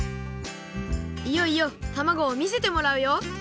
いよいよたまごをみせてもらうよ